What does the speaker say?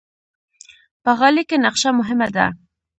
په غالۍ کې نقشه مهمه ده.